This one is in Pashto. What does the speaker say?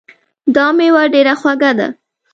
دا میوه ډېره خوږه ده